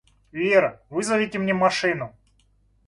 Вера, вызовите мне машину.